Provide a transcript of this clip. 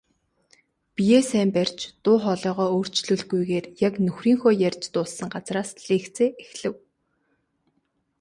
Биеэ сайн барьж, дуу хоолойгоо өөрчлөлгүйгээр яг нөхрийнхөө ярьж дууссан газраас лекцээ эхлэв.